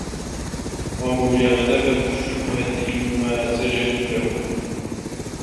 وَمُجَانَبَةَ الشُّبْهَةِ الْمُمَازَجَةِ لَهُ